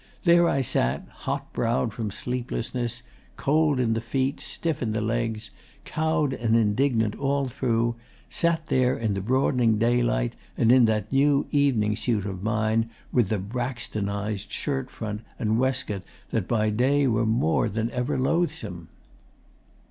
There I sat, hot browed from sleeplessness, cold in the feet, stiff in the legs, cowed and indignant all through sat there in the broadening daylight, and in that new evening suit of mine with the Braxtonised shirtfront and waistcoat that by day were more than ever loathsome.